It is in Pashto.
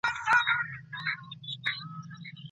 واک باید په ټولګي کي وویشل سي.